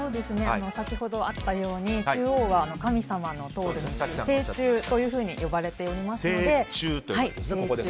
先ほどあったように中央は神様の通る道と正中と呼ばれておりますので。